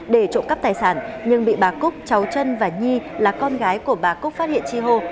để trộm cắp tài sản nhưng bị bà cúc cháu trân và nhi là con gái của bà cúc phát hiện chi hô